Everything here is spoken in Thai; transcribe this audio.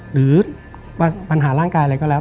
หรือปัญหาร่างกายอะไรก็แล้ว